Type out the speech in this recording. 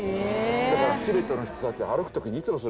だからチベットの人たちは歩く時にいつもそれを。